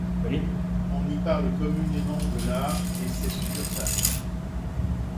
On y parle communément de la et ses succursales.